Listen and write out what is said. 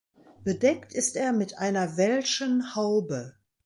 Bedeckt ist er mit einer Welschen Haube.